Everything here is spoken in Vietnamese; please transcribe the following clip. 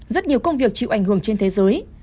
rất nhiều công việc chịu ảnh hưởng trên thế giới